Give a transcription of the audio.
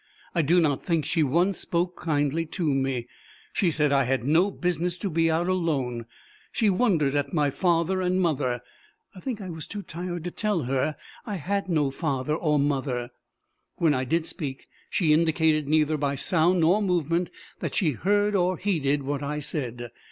I do not think she once spoke kindly to me. She said I had no business to be out alone; she wondered at my father and mother. I think I was too tired to tell her I had no father or mother. When I did speak, she indicated neither by sound nor movement that she heard or heeded what I said.